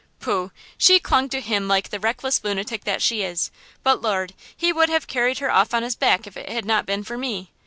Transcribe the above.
"Pooh! she clung to him like the reckless lunatic that she is; but Lord, he would have carried her off on his back if it had not been for me."